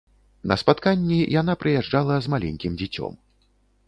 На спатканні яна прыязджала з маленькім дзіцём.